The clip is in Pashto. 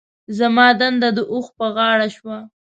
زما دنده د اوښ په غاړه شوه.